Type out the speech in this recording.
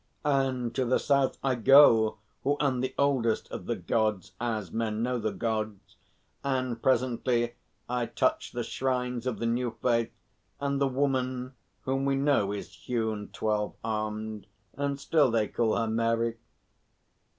"And to the South I go who am the oldest of the Gods as men know the Gods, and presently I touch the shrines of the New Faith and the Woman whom we know is hewn twelve armed, and still they call her Mary."